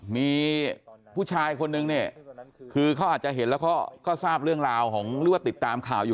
มีผู้ชายคนนึงเนี่ยคือเขาอาจจะเห็นแล้วก็ทราบเรื่องราวของหรือว่าติดตามข่าวอยู่